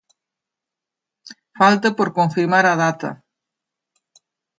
Falta por confirmar a data.